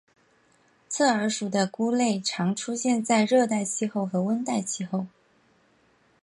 侧耳属的菇类常出现在热带气候和温带气候。